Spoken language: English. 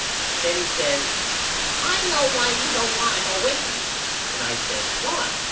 Then he says I know why you don't want to go with me and I says Why?